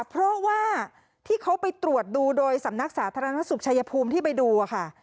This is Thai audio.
เพราะว่าที่เขาไปตรวจดูโดยสำนักสาธารณสุขชายภูมิที่ไปดูค่ะ